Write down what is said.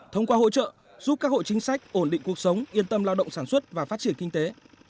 thông qua hỗ trợ giúp các hộ chính sách ổn định cuộc sống yên tâm lao động sản xuất và phát triển kinh tế